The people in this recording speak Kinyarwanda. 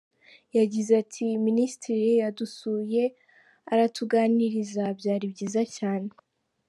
Yagize ati “Minisitiri yadusuye aratuganiriza, byari byiza cyane.